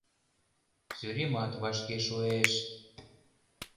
Сӱремат вашке шуэш...